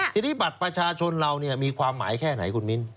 ทีนี้บัตรประชาชนเรามีความหมายแค่ไหนคุณมิ้น